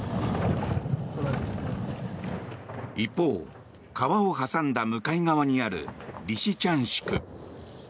一方、川を挟んだ向かい側にあるリシチャンシク。